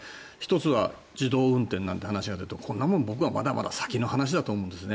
１つは自動運転なんて話が出てこんなもん僕はまだまだ先の話だと思うんです。